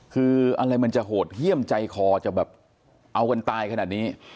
คืออะไรมันจะโหดเยี่ยมใจคอจะแบบเอากันตายขนาดนี้